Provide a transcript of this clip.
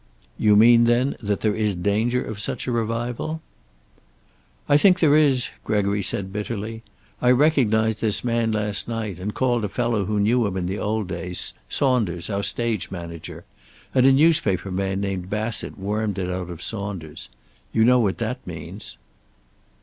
"You mean, then, that there is danger of such a revival?" "I think there is," Gregory said bitterly. "I recognized this man last night, and called a fellow who knew him in the old days, Saunders, our stage manager. And a newspaper man named Bassett wormed it out of Saunders. You know what that means."